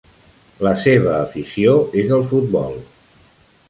La seva afició és el futbol.